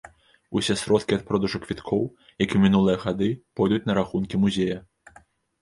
Усе сродкі ад продажу квіткоў, як і ў мінулыя гады, пойдуць на рахункі музея.